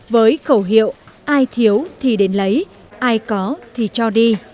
với khẩu hiệu ai thiếu thì đến lấy ai có thì cho đi